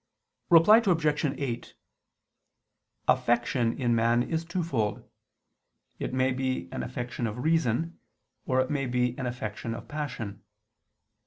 Reply Obj. 8: Affection in man is twofold: it may be an affection of reason, or it may be an affection of passion.